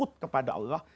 dan takut kepada allah